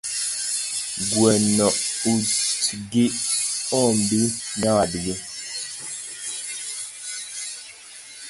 Gweno uch gi ombi nyawadgi